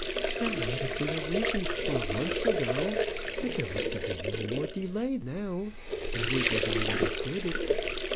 "That might have been a reason twelve months ago, but there was to be no more delay now; that is as I understood it.